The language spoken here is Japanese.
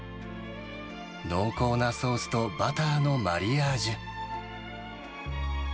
濃厚なソースとバターのマリアージュ。